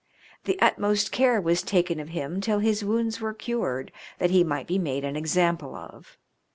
The utmost care was taken of him till his wounds were cured, that he might be made an example of.